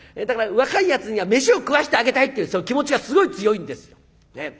だから若いやつには飯を食わしてあげたいっていうその気持ちがすごい強いんですよ。